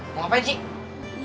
mau ngapain sih